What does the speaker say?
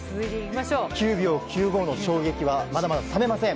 ９秒９５の衝撃はまだまだ冷めません。